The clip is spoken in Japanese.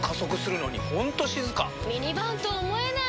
ミニバンと思えない！